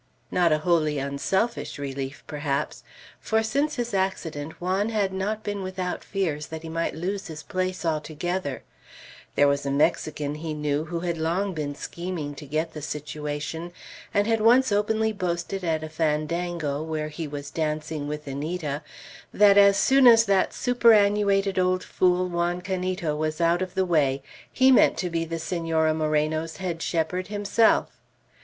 Not a wholly unselfish relief, perhaps, for since his accident Juan had not been without fears that he might lose his place altogether; there was a Mexican he knew, who had long been scheming to get the situation, and had once openly boasted at a fandango, where he was dancing with Anita, that as soon as that superannuated old fool, Juan Canito, was out of the way, he meant to be the Senora Moreno's head shepherd himself.